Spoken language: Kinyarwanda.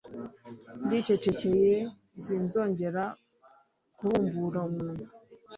Ndicecekeye sinzongera kubumbura umunwa